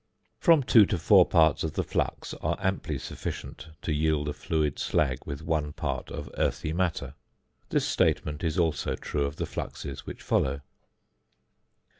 From two to four parts of the flux are amply sufficient to yield a fluid slag with one part of earthy matter. This statement is also true of the fluxes which follow.